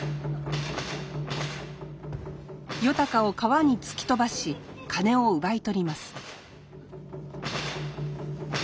夜鷹を川に突き飛ばし金を奪い取ります。